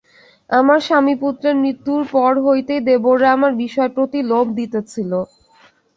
আমার স্বামীপুত্রের মৃত্যুর পর হইতেই দেবররা আমার বিষয়ের প্রতি লোভ দিতেছিল।